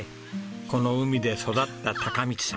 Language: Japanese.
この海で育った貴道さん。